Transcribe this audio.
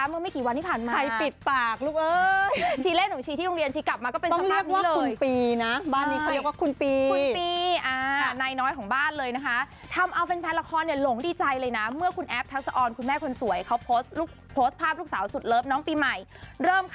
เมื่อไม่กี่วันที่ผ่านมาใครปิดปากลูกเอ้ย